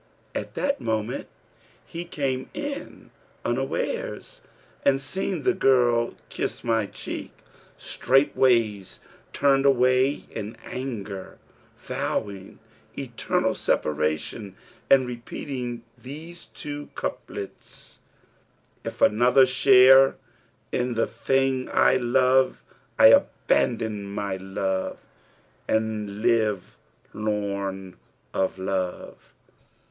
[FN#334] At that moment he came in unawares, and, seeing the girl kiss my cheek, straightways turned away in anger, vowing eternal separation and repeating these two couplets, 'If another share in the thing I love, * I abandon my love and live lorn of love.